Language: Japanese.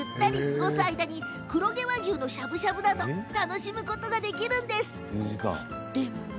その間に、黒毛和牛のしゃぶしゃぶなども楽しむことができるんです。